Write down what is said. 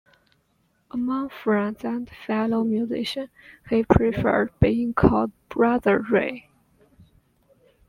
Among friends and fellow musicians he preferred being called Brother Ray.